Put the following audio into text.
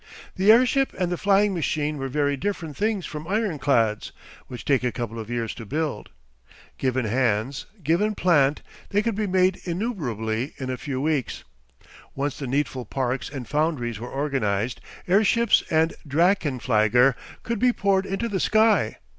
The airship and the flying machine were very different things from ironclads, which take a couple of years to build. Given hands, given plant, they could be made innumerably in a few weeks. Once the needful parks and foundries were organised, air ships and Drachenflieger could be poured into the sky.